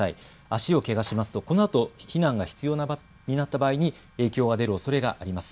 足をけがしますとこのあと避難が必要になった場合に影響が出るおそれがあります。